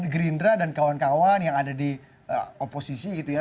gerindra dan kawan kawan yang ada di oposisi gitu ya